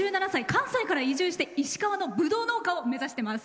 関西から移住して石川のぶどう農家を目指してます。